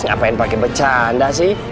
ngapain pake becanda sih